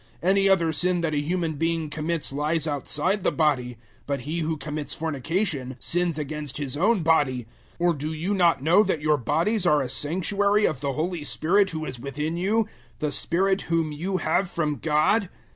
Any other sin that a human being commits lies outside the body; but he who commits fornication sins against his own body. 006:019 Or do you not know that your bodies are a sanctuary of the Holy Spirit who is within you the Spirit whom you have from God?